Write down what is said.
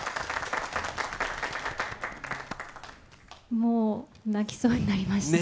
もう泣きそうになりました。